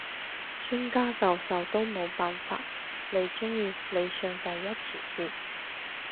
專家教授都冇辦法，你中意你上第一前線？